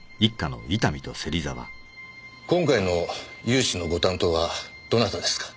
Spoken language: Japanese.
今回の融資のご担当はどなたですか？